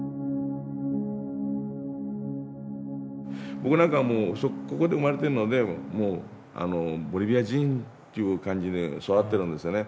僕なんかはもうここで生まれてるのでボリビア人っていう感じで育ってるんですよね。